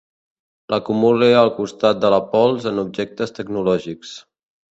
L'acumule al costat de la pols en objectes tecnològics.